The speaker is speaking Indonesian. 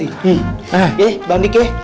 iya bang dikeh